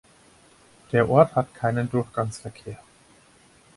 Der Ort hat keinen Durchgangsverkehr.